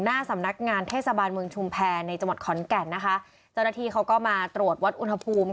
หน้าสำนักงานเทศบาลเมืองชุมแพรในจังหวัดขอนแก่นนะคะเจ้าหน้าที่เขาก็มาตรวจวัดอุณหภูมิ